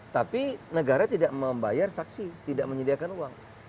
tapi negara tidak membayar saksi tidak menyediakan uang